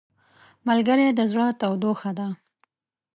ملګری د زړه تودوخه ده